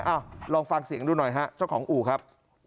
ลองฟังเสียงดูหน่อยฮะเจ้าของอู่ครับ